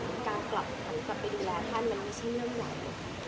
ก็ชวนกันไปดูแลท่านมันไปดูเรื่องใหญ่ตลอด